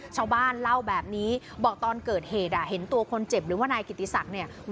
ชาวบ้านเล่าแบบนี้บอกตอนเกิดเหตุอ่ะเห็นตัวคนเจ็บหรือว่านายกิติศักดิ์เนี่ย